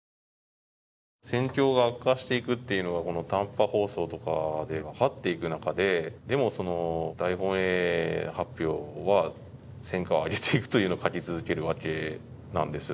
戦況が悪化していくというのが短波放送とかで分かっていく中ででも、大本営発表は戦果を上げていくというのを書き続けていくわけです。